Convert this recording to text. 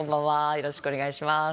よろしくお願いします。